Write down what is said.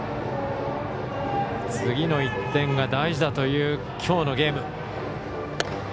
次の１点が大事だというきょうのゲーム。